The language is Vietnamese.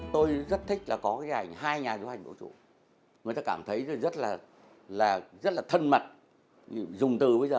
tôi rất thích là có cái ảnh hai nhà du hành vũ trụ người ta cảm thấy rất là thân mật dùng từ bây giờ